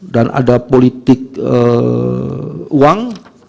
dan ada politik uang